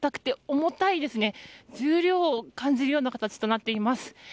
重量を感じる形となっています。